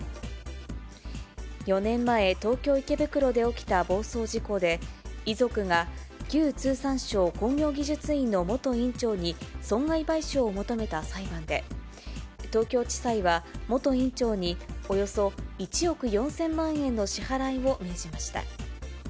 ４年前、東京・池袋で起きた暴走事故で、遺族が旧通産省工業技術院の元院長に、損害賠償を求めた裁判で、東京地裁は、元院長に、およそ１億４０００万円の支払いを命じました。